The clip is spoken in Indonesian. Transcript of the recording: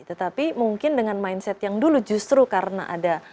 tetapi mungkin dengan mindset yang dulu justru karena ada